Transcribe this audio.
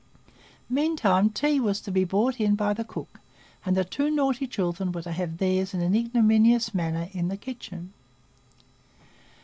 Meantime tea was to be brought in by the cook, and the two naughty children were to have theirs in an ignominious manner in the kitchen.